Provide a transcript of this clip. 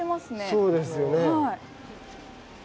そうですよね。